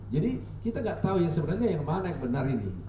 jadi kita nggak tahu yang sebenarnya yang mana yang benar ini